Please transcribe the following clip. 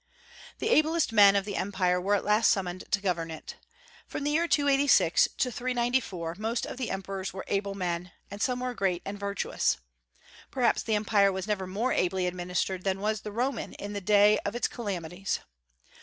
The ablest men of the Empire were at last summoned to govern it. From the year 268 to 394 most of the emperors were able men, and some were great and virtuous. Perhaps the Empire was never more ably administered than was the Roman in the day of its calamities.